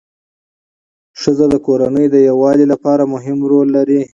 ښځه د کورنۍ د یووالي لپاره مهم رول لري